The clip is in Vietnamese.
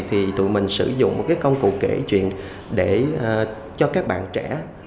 thì tụi mình sử dụng một cái công cụ kể chuyện để cho các bạn trẻ